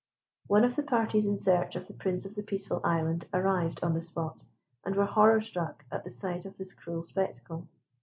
One of the parties in search of the Prince of the Peaceful Island arrived on the spot, and were horror struck at the sight of this cruel spectacle.